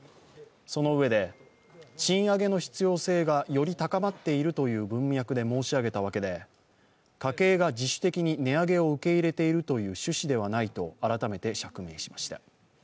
そのうえで、賃上げの必要性がより高まっているという文脈で申し上げたわけで申し上げたわけで家計が自主的に値上げを受け入れているという趣旨ではないと改めて釈明しました。